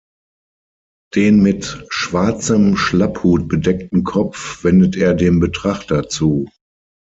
Den mit schwarzem Schlapphut bedeckten Kopf wendet er dem Betrachter zu.